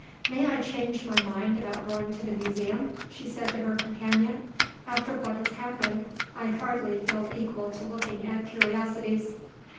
"May I change my mind about going to the museum?" she said to her companion. "After what has happened, I hardly feel equal to looking at curiosities."